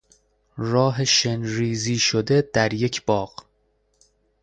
راه شن ریزی شده در یک باغ